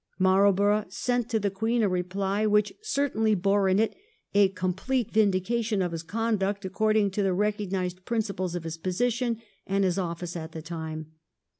Marlborough sent to the Queen a reply which certainly bore in it a complete vindication of his conduct according to the recognised principles of his position and his office at the time.